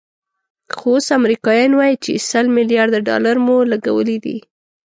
خو اوس امریکایان وایي چې سل ملیارده ډالر مو لګولي دي.